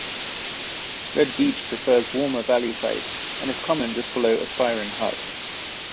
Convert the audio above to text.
Red beech prefers warmer valley sites, and is common just below Aspiring Hut.